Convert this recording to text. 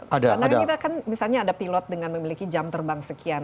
karena kita kan misalnya ada pilot dengan memiliki jam terbang sekian